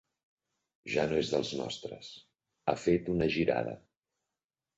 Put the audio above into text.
Ja no és dels nostres: ha fet una girada.